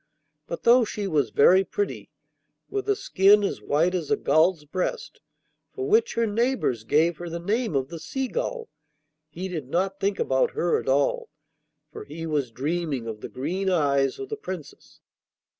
But though she was very pretty, with a skin as white as a gull's breast, for which her neighbours gave her the name of the Seagull, he did not think about her at all, for he was dreaming of the green eyes of the Princess.